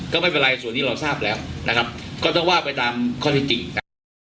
ก็ไม่เป็นไรส่วนนี้เราทราบแล้วนะครับก็ต้องว่าไปตามข้อที่จริงนะครับ